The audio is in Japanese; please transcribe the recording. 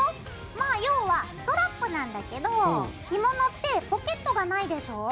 まあ要はストラップなんだけど着物ってポケットがないでしょ？